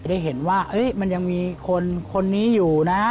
ได้เห็นว่ามันยังมีคนนี้อยู่นะ